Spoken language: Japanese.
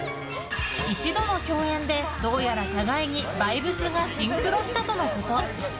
一度の共演で、どうやら互いにバイブスがシンクロしたとのこと。